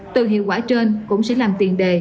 từ hiệu quả trên cũng sẽ làm tiền đề